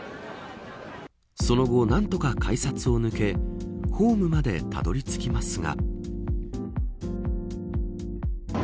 その後、何とか改札を抜けホームまでたどり着きますが。